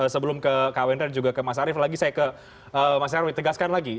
sebelum ke kak wendra dan juga ke mas arief lagi saya ke mas nyarwi tegaskan lagi